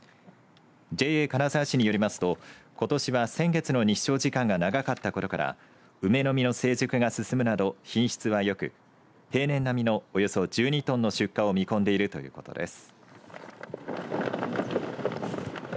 ＪＡ金沢市によりますとことしは、先月の日照時間が長かったことから梅の実の成熟が進むなど品質はよく平年並みのおよそ１２トンの出荷を見込んでいるということです。